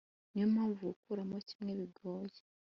niyo mpamvu gukuramo kimwe bigoye